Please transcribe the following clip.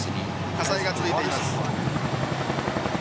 火災が続いています。